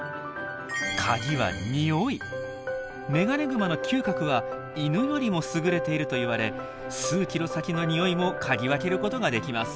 カギはメガネグマの嗅覚は犬よりも優れているといわれ数キロ先のニオイも嗅ぎ分けることができます。